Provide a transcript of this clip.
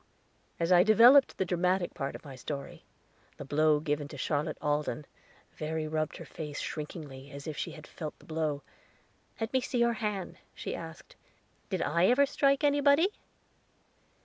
As I developed the dramatic part of my story the blow given Charlotte Alden, Verry rubbed her face shrinkingly, as if she had felt the blow. "Let me see your hand," she asked; "did I ever strike anybody?"